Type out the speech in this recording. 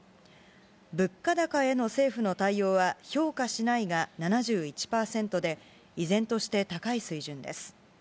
物価高への政府の対応は評価しないが７１％で、依然として高い水準です。